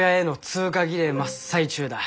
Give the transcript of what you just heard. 通過儀礼真っ最中だ。